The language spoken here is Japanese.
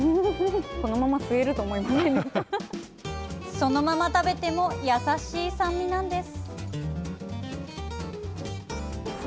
そのまま食べても優しい酸味なんです。